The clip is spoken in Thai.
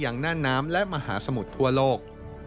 หน้าน้ำและมหาสมุทรทั่วโลก